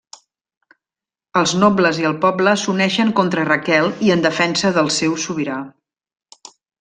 Els nobles i el poble s'uneixen contra Raquel i en defensa del seu sobirà.